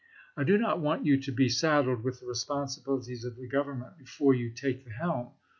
I do not want you to be saddled with the responsibilities of the Govern ment before you take the helm.